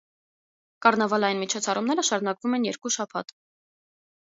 Կառնավալային միջոցառումները շարունակվում են երկու շաբաթ։